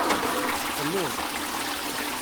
Telluẓ.